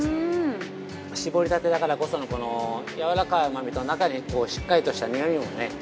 搾りたてだからこそのやわらかい甘みと中にしっかりとした苦みもね。